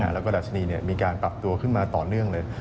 แล้วก็ดัชนีมีการปรับตัวขึ้นมาต่อเนื่องเลย